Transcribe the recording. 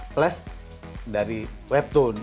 plus dari webtoon